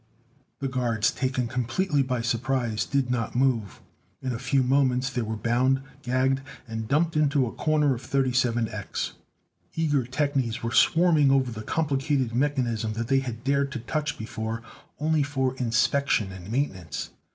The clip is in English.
The guards, taken completely by surprise, did not move. In a few moments they were bound, gagged, and dumped into a corner of 37X. Eager technies were swarming over the complicated mechanism that they had dared to touch, before, only for inspection and maintenance.